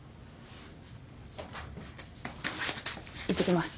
いってきます。